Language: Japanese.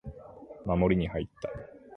守りに入った